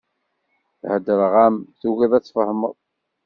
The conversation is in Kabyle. Heddreɣ-am, tugiḍ ad tfehmeḍ.